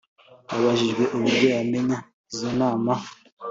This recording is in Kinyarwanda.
Abajijwe uburyo yamenye izo nama